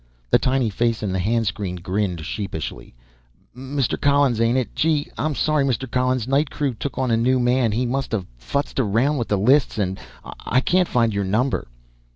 The tiny face in the hand screen grinned sheepishly. "Mr. Collins, ain't it? Gee, I'm sorry, Mr. Collins. Night crew took on a new man, he must have futzed around with the lists, and I can't find your number."